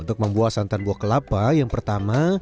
untuk membuat santan buah kelapa yang pertama